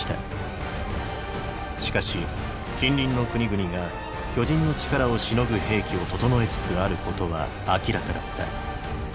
しかし近隣の国々が巨人の力をしのぐ兵器を整えつつあることは明らかだった。